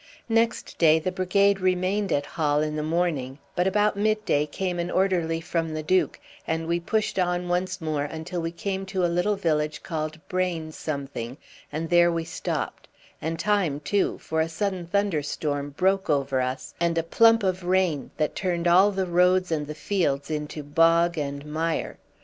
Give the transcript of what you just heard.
Next day the brigade remained at Hal in the morning, but about mid day came an orderly from the Duke, and we pushed on once more until we came to a little village called Braine something, and there we stopped; and time too, for a sudden thunderstorm broke over us, and a plump of rain that turned all the roads and the fields into bog and mire.